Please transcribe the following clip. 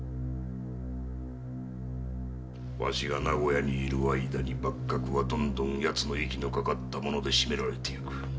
わしが名古屋に居る間に幕閣はどんどん奴の息のかかった者で占められていく。